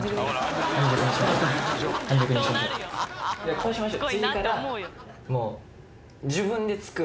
こうしましょう。